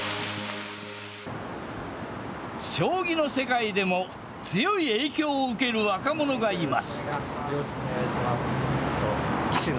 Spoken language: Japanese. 将棋の世界でも強い影響を受ける若者がいます。